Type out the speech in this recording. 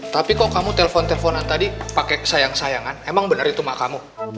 tapi kok kamu telpon telponan tadi pake sayang sayangan emang bener itu mbak kamu